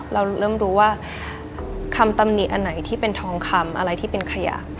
เราเริ่มรู้ว่าคำตำหนิอันไหนที่เป็นทองคำอะไรที่เป็นขยะ